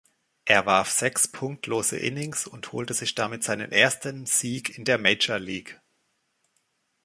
Er warf sechs punktlose Innings und holte sich damit seinen ersten Sieg in der Major League.